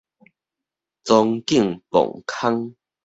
莊敬磅空